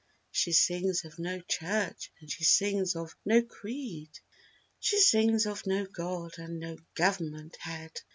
She sings of "No Church!" and she sings of "No Creed!" She sings of "No God!" and "No Government Head!"